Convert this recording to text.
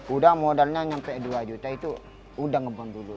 udah modalnya sampai dua juta itu udah ngebom dulu